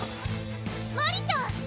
・マリちゃん！